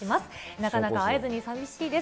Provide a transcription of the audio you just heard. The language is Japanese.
なかなか会えずに寂しいです。